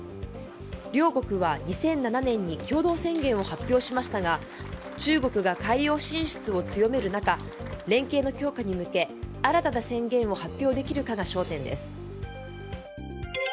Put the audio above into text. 両国は２００７年に共同宣言を発表しましたが中国が海洋進出を強める中連携の強化に向け新たな宣言を発表できるかが焦点です。